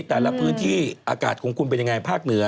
แต่ละพื้นที่อากาศของคุณเป็นยังไงภาคเหนือ